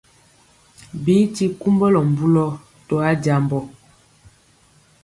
Bi ti kumbulɔ mbulɔ to ajambɔ.